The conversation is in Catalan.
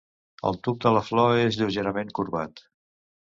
El tub de la flor és lleugerament corbat.